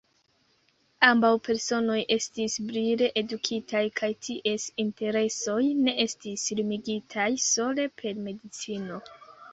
Ambaŭ personoj estis brile edukitaj kaj ties interesoj ne estis limigitaj sole per medicino.